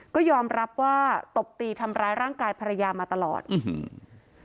ก็ยอมรับว่าตบตีทำร้ายร่างกายภรรยามาตลอดอื้อหือ